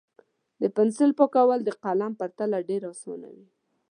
د پنسل پاکول د قلم په پرتله ډېر اسانه وي.